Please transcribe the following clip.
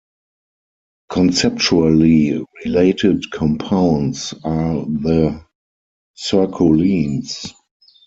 Conceptually related compounds are the circulenes.